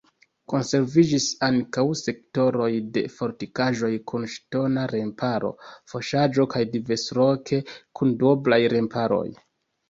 Konserviĝis ankaŭ sektoroj de fortikaĵoj kun ŝtona remparo, fosaĵo kaj diversloke kun duoblaj remparoj.